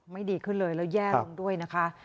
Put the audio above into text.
ดีขึ้นเลยแล้วแย่ลงด้วยนะคะ